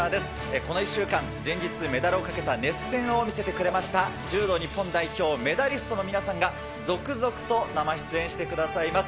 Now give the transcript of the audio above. この１週間、連日、メダルを懸けた熱戦を見せてくれました、柔道日本代表、メダリストの皆さんが、続々と生出演してくださいます。